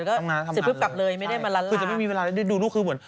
ทำงานแล้วทำงานเลยใช่คือจะไม่มีเวลาเลยดูลูกคือเหมือน